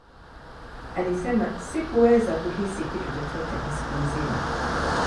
Alisema, Sikuweza kuhisi kitu chochote kwa siku nzima.